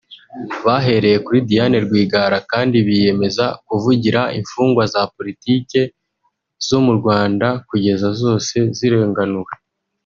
Bahereye kuri Diane Rwigara kandi biyemeje kuvugira imfungwa za politike zo mu Rwanda kugeza zose zirenganuwe